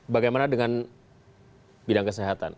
bagaimana dengan bidang kesehatan